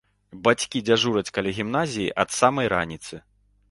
Бацькі дзяжураць каля гімназіі ад самай раніцы.